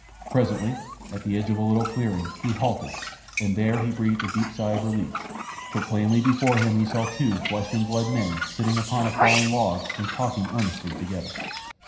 Presently, at the edge of a little clearing, he halted, and there he breathed a deep sigh of relief, for plainly before him he saw two flesh and blood men sitting upon a fallen log and talking earnestly together.